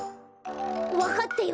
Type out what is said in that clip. わかったよ！